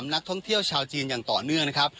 ๒๓นักท่องเที่ยวชาวจีนอย่างต่อเนื่อง